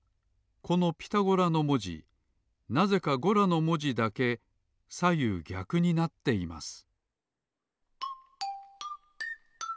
この「ピタゴラ」のもじなぜか「ゴラ」のもじだけさゆうぎゃくになっています